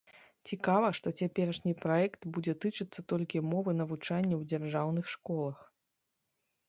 Цікава, што цяперашні праект будзе тычыцца толькі мовы навучання ў дзяржаўных школах.